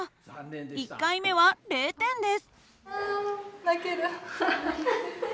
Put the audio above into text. １回目は０点です。